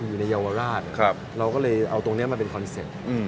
อยู่ในเยาวราชเราก็เลยเอาตรงนี้มาเป็นคอนเซ็ปต์